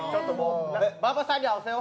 馬場さんに合わせよう。